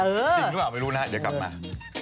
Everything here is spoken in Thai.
จริงหรือเปล่าไม่รู้นะฮะเดี๋ยวกลับมา